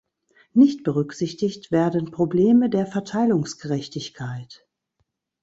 Nicht berücksichtigt werden Probleme der Verteilungsgerechtigkeit.